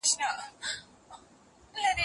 چي د زرکي په څېر